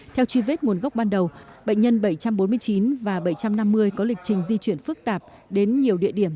theo truy vết nguồn gốc ban đầu bệnh nhân bảy trăm bốn mươi chín và bảy trăm năm mươi có lịch trình di chuyển phức tạp đến nhiều địa điểm